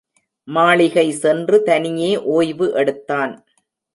மாளிகை சென்று தனியே ஒய்வு எடுத்தான்.